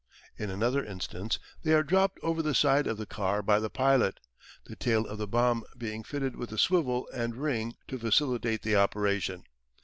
In another instance they are dropped over the side of the car by the pilot, the tail of the bomb being fitted with a swivel and ring to facilitate the operation.